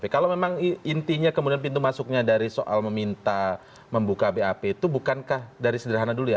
kalau memang intinya kemudian pintu masuknya dari soal meminta membuka bap itu bukankah dari sederhana dulu ya